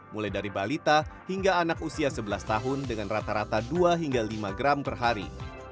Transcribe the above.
mulai dari balita hingga anak usia sebelas tahun dengan rata rata dua hingga lima gram per hari